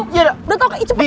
iya udah tau kecepatan